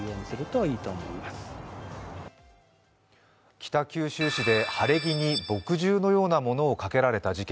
北九州市で晴れ着に墨汁のようなものをかけられた事件。